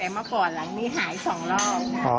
แต่มาก่อนหลังนี้หายสองรอบ